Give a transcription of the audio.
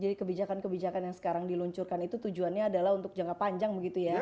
jadi kebijakan kebijakan yang sekarang diluncurkan itu tujuannya adalah untuk jangka panjang begitu ya